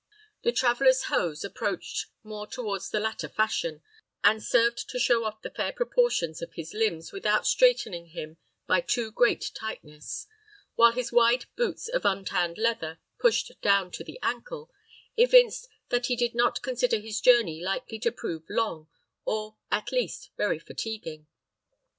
The traveller's hose approached more towards the latter fashion, and served to show off the fair proportions of his limbs without straitening him by too great tightness, while his wide boots of untanned leather, pushed down to the ankle, evinced that he did not consider his journey likely to prove long, or, at least, very fatiguing.